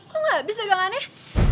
kok gak abis ya gang aneh